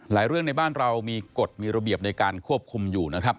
เรื่องในบ้านเรามีกฎมีระเบียบในการควบคุมอยู่นะครับ